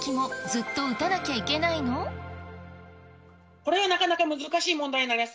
これはなかなか難しい問題です。